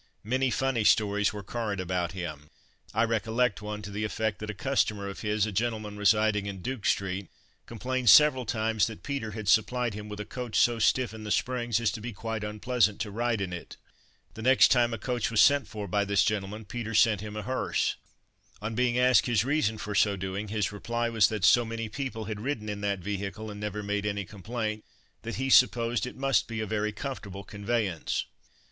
Many funny stories were current about him. I recollect one to the effect that a customer of his, a gentleman residing in Duke street, complained several times that Peter had supplied him with a coach so stiff in the springs as to be quite unpleasant to ride in it. The next time a coach was sent for by this gentleman, Peter sent him a hearse! On being asked his reason for so doing, his reply was that "so many people had ridden in that vehicle and never made any complaint, that he supposed it must be a very comfortable conveyance."